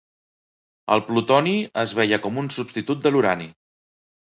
El plutoni es veia com un substitut de l'urani.